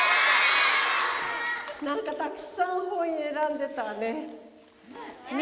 何かたくさん本選んでたわね。